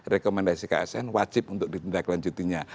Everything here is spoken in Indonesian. rekomendasi ksn wajib untuk ditindaklanjutinya